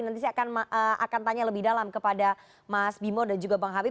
nanti saya akan tanya lebih dalam kepada mas bimo dan juga bang habib